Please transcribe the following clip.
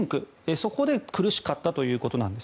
そこで苦しかったということです。